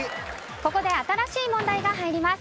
ここで新しい問題が入ります。